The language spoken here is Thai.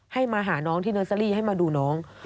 ให้มาหาน้องที่เนอร์เซอรี่ให้มาดูน้อง